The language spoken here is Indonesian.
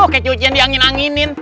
kayak cucian di angin anginin